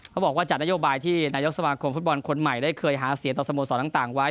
บอกว่าจากนโยบายที่นายกสมาคมฟุตบอลคนใหม่ได้เคยหาเสียงต่อสโมสรต่างไว้